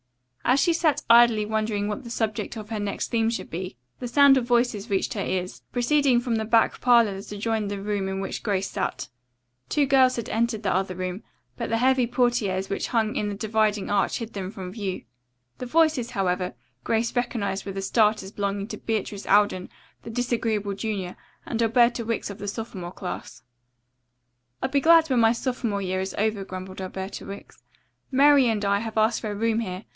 As she sat idly wondering what the subject of her next theme should be, the sound of voices reached her ears, proceeding from the back parlor that adjoined the room in which Grace sat. Two girls had entered the other room, but the heavy portieres which hung in the dividing arch, hid them from view. The voices, however, Grace recognized with a start as belonging to Beatrice Alden, the disagreeable junior, and Alberta Wicks of the sophomore class. "I'll be glad when my sophomore year is over," grumbled Alberta Wicks. "Mary and I have asked for a room here.